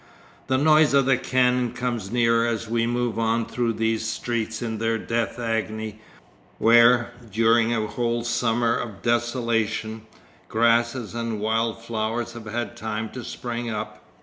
The noise of the cannon comes nearer as we move on through these streets in their death agony, where, during a whole summer of desolation, grasses and wild flowers have had time to spring up.